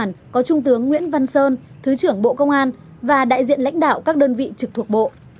đoàn có trung tướng nguyễn văn sơn thứ trưởng bộ công an và đại diện lãnh đạo các đơn vị trực thuộc bộ